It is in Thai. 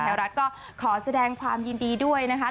ไทยรัฐก็ขอแสดงความยินดีด้วยนะคะ